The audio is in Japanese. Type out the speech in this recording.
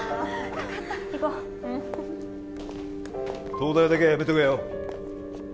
東大だけはやめとけよ